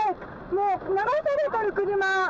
もう流されてる車。